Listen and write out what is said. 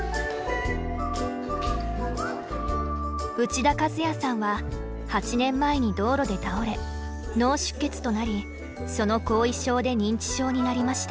内田一也さんは８年前に道路で倒れ脳出血となりその後遺症で認知症になりました。